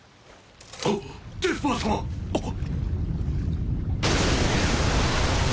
あっデスパー様！あっ！？